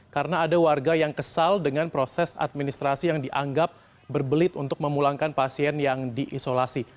karena ada warga yang kesal dengan proses administrasi yang dianggap berbelit untuk memulangkan pasien yang diisolasi